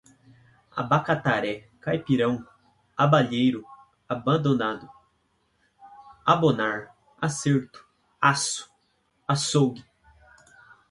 abacataré, caipirão, abelheiro, abonado, abonar, acerto, aço, açougue